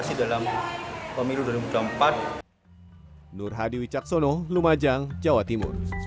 stasi dalam pemilu dalam jam empat